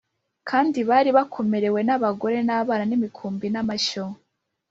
kandi bari bakomerewe n’abagore n’abana n’imikumbi n’amashyo.